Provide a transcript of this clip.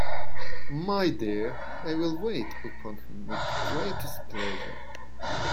My dear, I will wait upon him with the greatest pleasure.